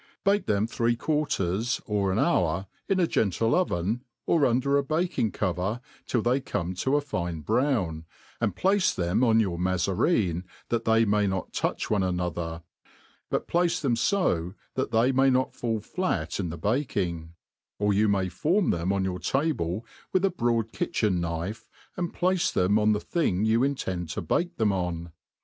Bake them three quarters, or an hour, in a gentle oven, or under a baking cover, till they come to a fine brown, and place them on your ma zarine, that they may not touch one another^ but place them fo that they may not fall fiat in the baking ; or you may form them on your table with a broad kitchen knife, and place them on the thin2 you intend to bake them on.